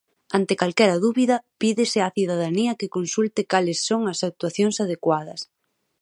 Ante calquera dúbida, pídese á cidadanía que consulte cales son as actuacións adecuadas.